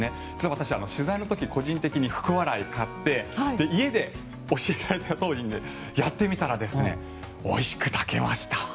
私、取材の時個人的に福、笑いを買って家で教えられたとおりにやってみたらおいしく炊けました。